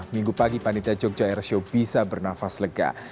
minggu pagi panitia jogja airshow bisa bernafas lega